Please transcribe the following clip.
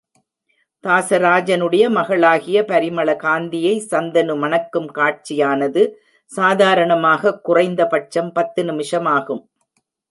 தாசராஜனுடைய மகளாகிய பரிமளகந்தியை சந்தனு மணக்கும் காட்சியானது, சாதாரணமாகக் குறைந்த பட்சம் பத்து நிமிஷமாகும்.